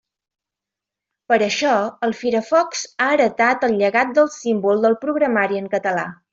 Per això, el Firefox ha heretat el llegat del símbol del programari en català.